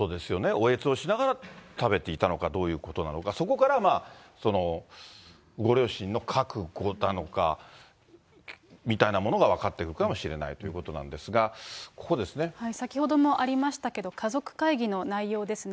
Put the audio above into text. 嗚咽をしながら食べていたのか、どういうことなのか、そこからご両親の覚悟なのか、みたいなものが分かってくるかもしれないということなんですが、先ほどもありましたけれども、家族会議の内容ですね。